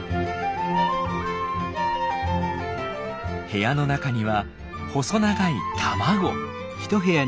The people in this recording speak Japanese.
部屋の中には細長い卵。